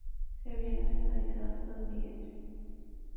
Se había nacionalizado estadounidense.